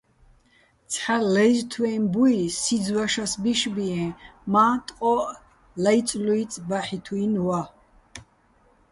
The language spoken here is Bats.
ცჰ̦ა ლაჲზთვეჼ ბუჲ სიძ ვაშას ბიშბიეჼ, მა́ ტყო́ჸ ლაჲწლუჲწი̆ ბაჰ̦ითუჲნი̆ ვა.